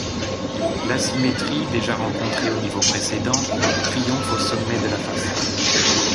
L'asymétrie, déjà rencontrée aux niveaux précédents, triomphe au sommet de la façade.